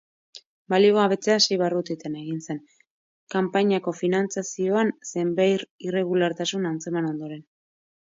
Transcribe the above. Baliogabetzea sei barrutietan egin zen, kanpainako finantzazioan zenbair irregulartasun antzeman ondoren.